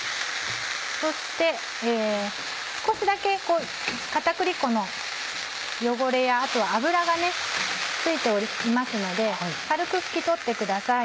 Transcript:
そして少しだけ片栗粉の汚れや油が付いていますので軽く拭き取ってください。